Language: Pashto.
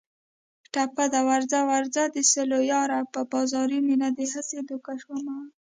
ټپه ده: ورځه ورځه د سلو یاره په بازاري مینه دې هسې دوکه شومه